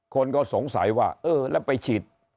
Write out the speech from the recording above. คนก็สงสัยว่าเออแล้วไปฉีด